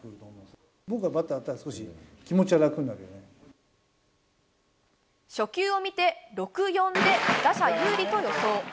僕がバッターだったら少し気初球を見て、６ー４で打者有利と予想。